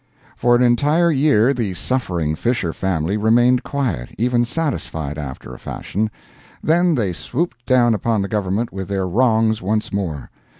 For an entire year the suffering Fisher family remained quiet even satisfied, after a fashion. Then they swooped down upon the government with their wrongs once more.